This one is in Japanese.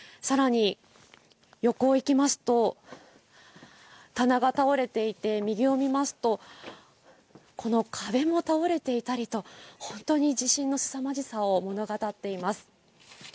さらに横に行きますと、棚が倒れていて、右を見ますと、この壁も倒れていたりと本当に地震のすさまじさを物語っています。